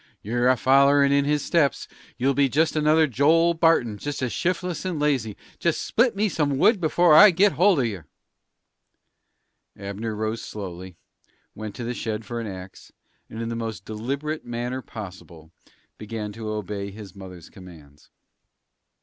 "You're a follerin' in his steps. You'll be just another Joel Barton just as shif'less and lazy. Just split me some wood before I get hold of yer!" Abner rose slowly, went to the shed for an ax, and in the most deliberate manner possible began to obey his mother's commands.